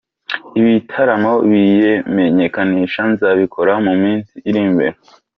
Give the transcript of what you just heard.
Ibitaramo biyimenyekanisha nzabikora mu minsi iri imbere.